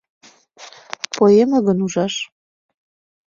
Поэме гын ужаш